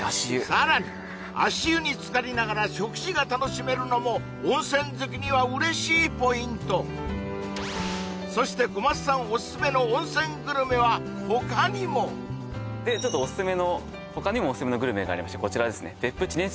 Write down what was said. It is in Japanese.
さらに足湯につかりながら食事が楽しめるのも温泉好きには嬉しいポイントそして小松さんオススメの温泉グルメは他にもでちょっとオススメの他にもオススメのグルメがありましてこちらですね